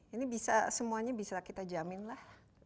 ini bisa semuanya bisa kita jamin lah